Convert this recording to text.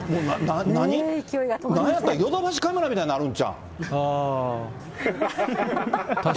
なんやったら、ヨドバシカメラみたいになるんちゃうん？